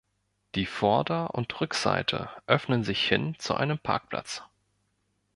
Die Vorder- und Rückseite öffnen sich hin zu einem Parkplatz.